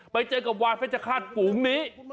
ไปเจอกับวานเพชรฆาตฝูงนี้